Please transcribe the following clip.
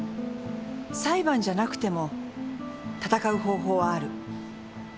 裁判じゃなくても闘う方法はある。